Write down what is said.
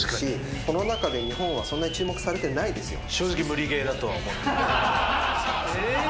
この中で日本はそんなに注目されてないですよ。